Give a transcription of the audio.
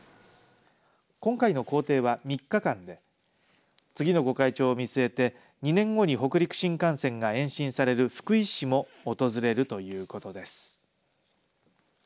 今回の行程は、３日間で次の御開帳を見据えて２年後に北陸新幹線が延伸される福井市も訪れるということです。